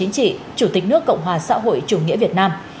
chủ tịch nước cộng hòa xã hội chủ nghĩa việt nam